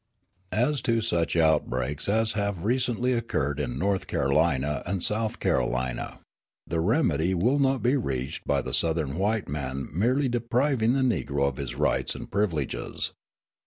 As to such outbreaks as have recently occurred in North Carolina and South Carolina, the remedy will not be reached by the Southern white man merely depriving the Negro of his rights and privileges.